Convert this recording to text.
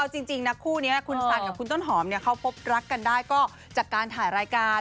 เอาจริงนะคู่นี้คุณสันกับคุณต้นหอมเขาพบรักกันได้ก็จากการถ่ายรายการ